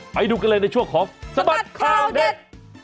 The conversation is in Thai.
ไปดูกันเลยในช่วงของสบัดข่าวเด็ด